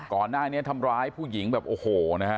ก่อนหน้านี้ทำร้ายผู้หญิงแบบโอ้โหนะฮะ